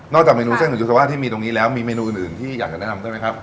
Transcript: จากเมนูเส้นของยูซาว่าที่มีตรงนี้แล้วมีเมนูอื่นที่อยากจะแนะนำด้วยไหมครับ